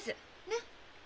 ねっ？